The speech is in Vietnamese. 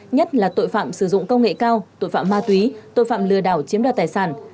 nhất là tội phạm sử dụng công nghệ cao tội phạm ma túy tội phạm lừa đảo chiếm đoạt tài sản